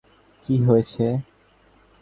কী হয়েছে?